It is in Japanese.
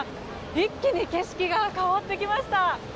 一気に景色が変わってきました。